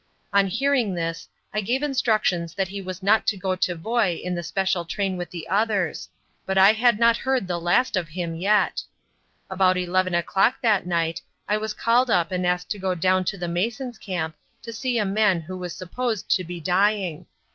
On hearing this, I gave instructions that he was not to go to Voi in the special train with the others; but I had not heard the last of him yet. About eleven o'clock that night I was called up and asked to go down to the masons' camp to see a man who was supposed to be dying.